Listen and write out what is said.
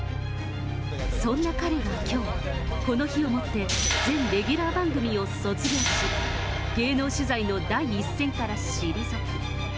そんな彼がきょう、この日をもって全レギュラー番組を卒業し、芸能取材の第一線から退く。